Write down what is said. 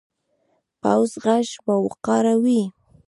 پوخ غږ باوقاره وي